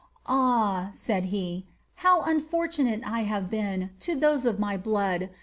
^ Ah P said bei ^ how unfortunate have 1 been to those of my blood